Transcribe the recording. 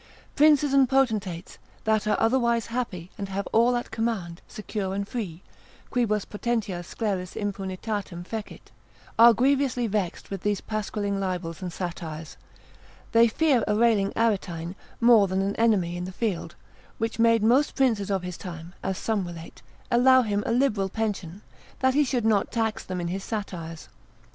Princes and potentates, that are otherwise happy, and have all at command, secure and free, quibus potentia sceleris impunitatem fecit, are grievously vexed with these pasquilling libels, and satires: they fear a railing Aretine, more than an enemy in the field, which made most princes of his time (as some relate) allow him a liberal pension, that he should not tax them in his satires.